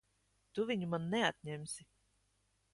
Tu viņu man neatņemsi!